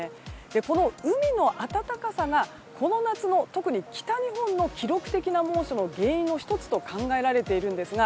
この海の暖かさがこの夏、特に北日本の記録的な猛暑の原因の１つと考えられていますが